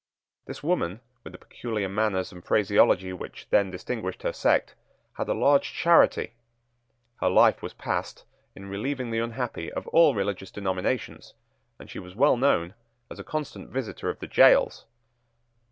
This woman, with the peculiar manners and phraseology which then distinguished her sect, had a large charity. Her life was passed in relieving the unhappy of all religious denominations, and she was well known as a constant visitor of the gaols.